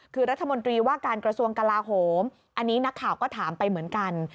คือรัฐมนตรีว่าการกระทรวงกลาโหมอันนี้นักข่าวก็ถามไปเหมือนกัน